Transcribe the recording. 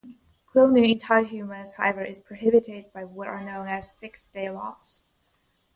Cloning entire humans, however, is prohibited by what are known as "Sixth Day" laws.